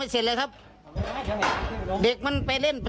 ไม่เรียกให้ใครช่วยเลยสิ